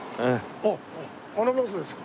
あっあのバスですか？